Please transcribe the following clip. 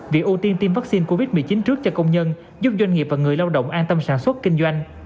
việc ưu tiên tiêm vaccine covid một mươi chín trước cho công nhân giúp doanh nghiệp và người lao động an tâm sản xuất kinh doanh